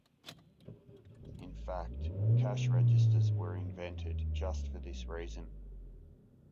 In fact, cash registers were invented just for this reason.